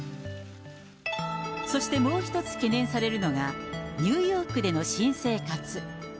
そして、もう１つ懸念されるのが、ニューヨークでの新生活。